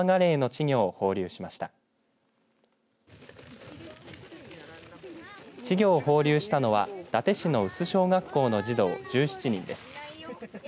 稚魚を放流したのは伊達市の有珠小学校の児童１７人です。